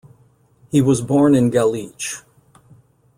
He was born in Galich.